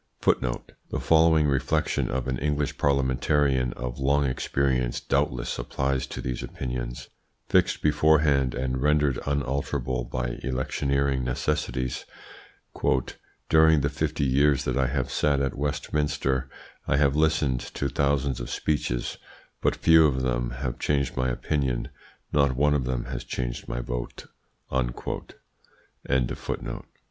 The following reflection of an English parliamentarian of long experience doubtless applies to these opinions, fixed beforehand, and rendered unalterable by electioneering necessities: "During the fifty years that I have sat at Westminster, I have listened to thousands of speeches; but few of them have changed my opinion, not one of them has changed my vote."